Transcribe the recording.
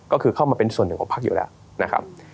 ก็คือเข้ามาเป็นส่วนหนึ่งของพักอยู่แล้วนะครับ